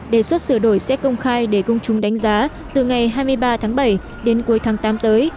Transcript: đề xuất sửa đổi sẽ công khai để công chúng đánh giá từ ngày hai mươi ba tháng bảy đến cuối tháng tám tới